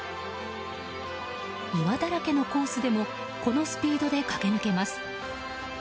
岩だらけのコースでもこのスピードで駆け抜けます。